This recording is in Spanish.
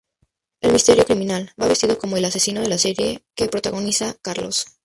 El misterioso criminal va vestido como el asesino de la serie que protagoniza Carlos.